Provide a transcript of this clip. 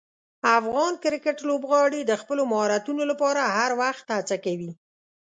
افغان کرکټ لوبغاړي د خپلو مهارتونو لپاره هر وخت هڅه کوي.